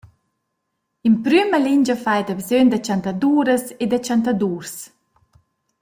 In prüma lingia faja dabsögn da chantaduras e da chantadurs.